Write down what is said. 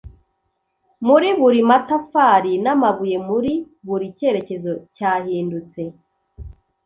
muri buri matafari n'amabuye, muri buri cyerekezo cyahindutse